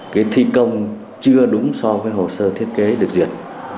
cái thi công chưa đúng so với hồ sơ thiết kế được duyệt